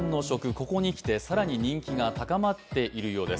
ここにきて人気が高まっているようです。